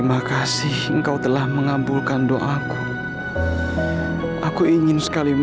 aku cinta banget sama kamu